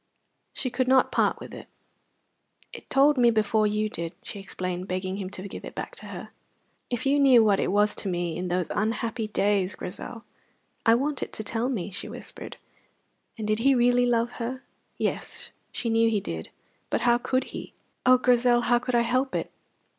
She could not part with it. "It told me before you did," she explained, begging him to give it back to her. "If you knew what it was to me in those unhappy days, Grizel!" "I want it to tell me," she whispered. And did he really love her? Yes, she knew he did, but how could he? "Oh, Grizel, how could I help it!"